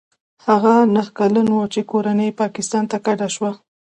هغه نهه کلن و چې کورنۍ یې پاکستان ته کډه شوه.